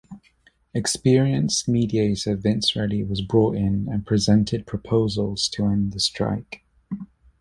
Experienced mediator Vince Ready was brought in and presented proposals to end the strike.